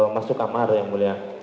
masuk kamar yang mulia